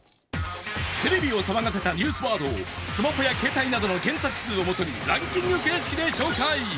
テレビを騒がせたニュースワードをスマホや携帯などの検索数を基にランキング形式で紹介。